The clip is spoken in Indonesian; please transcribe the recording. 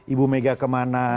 ibu mega kemana